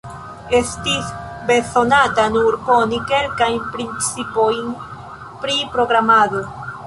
Estis bezonata nur koni kelkajn principojn pri programado.